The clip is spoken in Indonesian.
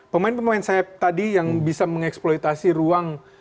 pemain pemain sayap tadi yang bisa mengeksploitasi ruang